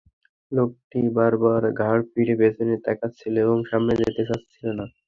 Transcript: লোকটি বারবার ঘাড় ফিরিয়ে পেছনে তাকাচ্ছিল এবং সামনে যেতে চাচ্ছিল না।